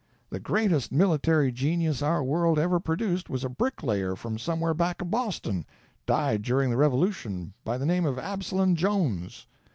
The greatest military genius our world ever produced was a brick layer from somewhere back of Boston—died during the Revolution—by the name of Absalom Jones.